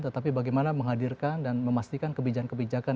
tetapi bagaimana menghadirkan dan memastikan kebijakan kebijakan